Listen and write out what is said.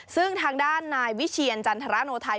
ซึ่งทางด้านนายวิเชียรจันทรโนไทย